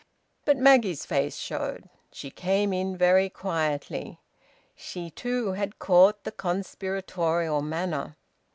But Maggie's face showed. She came in very quietly she too had caught the conspiratorial manner.